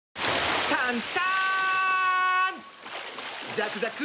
ザクザク！